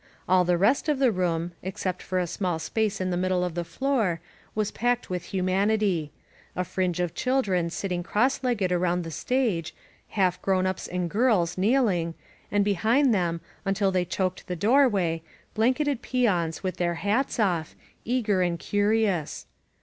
All the rest of the room, ex* cept for a small space in the middle of the floor, was packed with humanity: a fringe of children sitting cross legged around the stage, half grown ups and girls kneeling, and behind them, until they choked the doorway, blanketed peons with their hats off, eager and curious.